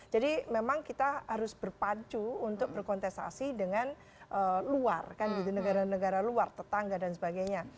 jadi memang kita harus berpacu untuk berkonteksasi dengan luar negara negara luar tetangga dan sebagainya